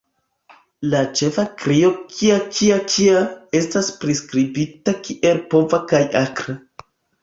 La ĉefa krio "kja...kja...kja" estas priskribita kiel pova kaj akra.